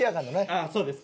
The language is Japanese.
あっそうです。